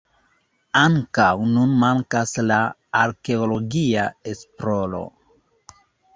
Ankaŭ nun mankas la arkeologia esploro.